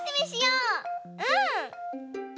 うん！